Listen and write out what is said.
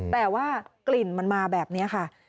แต่ว่ากลิ่นมันมาแบบนี้ค่ะ